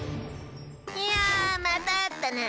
いやまたあったな！